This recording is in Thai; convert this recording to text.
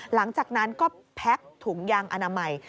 หลังจากนั้นก็แพ็กถุงยางอนามัย